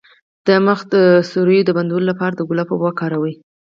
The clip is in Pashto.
د مخ د سوریو د بندولو لپاره د ګلاب اوبه وکاروئ